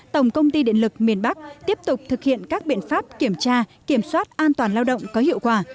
tổng công ty điện lực miền bắc tiếp tục thực hiện các biện pháp kiểm tra kiểm soát an toàn lao động có hiệu quả